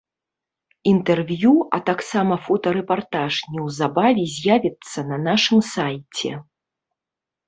Інтэрв'ю, а таксама фотарэпартаж неўзабаве з'явяцца на нашым сайце.